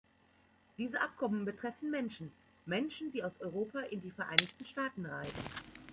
Diese Abkommen betreffen Menschen, Menschen, die aus Europa in die Vereinigten Staaten reisen.